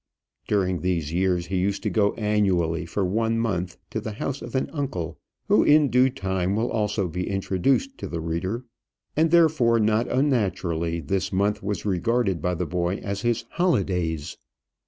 During these years he used to go annually for one month to the house of an uncle, who in due time will also be introduced to the reader; and therefore, not unnaturally, this month was regarded by the boy as his holidays.